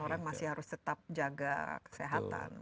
orang masih harus tetap jaga kesehatan